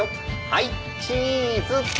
はいチーズ。